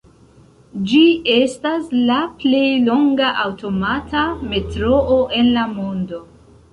Ĝi estas la plej longa aŭtomata metroo en la mondo.